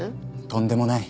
とんでもない。